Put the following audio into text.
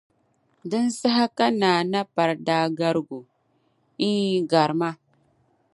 Di saha ka Naa Napari daa garigi o, Iin garima